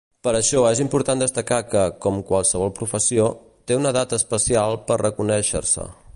Per això és important destacar que, com qualsevol professió, té una data especial per reconèixer-se.